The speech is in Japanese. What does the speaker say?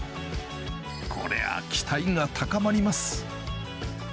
これは期待が高まります。